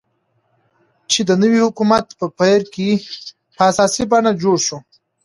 چې د نوي حكومت په پير كې په اساسي بڼه جوړ شو،